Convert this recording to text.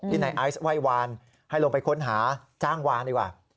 นายไอซ์ไหว้วานให้ลงไปค้นหาจ้างวานดีกว่า